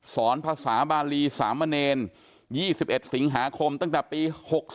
สอนภาษาบาลีสามเนร๒๑สิงหาคมตั้งแต่ปี๖๓